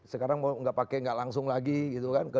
sekarang mau tidak pakai tidak langsung lagi gitu kan